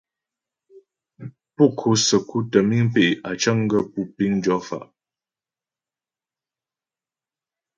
Pú ko'o səku tə́ miŋ pé' á cəŋ gaə́ pú piŋ jɔ fa'.